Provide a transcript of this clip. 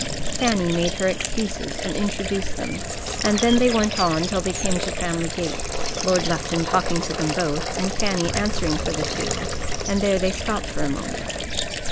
Fanny made her excuses and introduced them, and then they went on till they came to Framley Gate, Lord Lufton talking to them both, and Fanny answering for the two, and there they stopped for a moment.